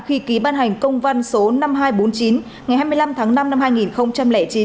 khi ký ban hành công văn số năm nghìn hai trăm bốn mươi chín ngày hai mươi năm tháng năm năm hai nghìn chín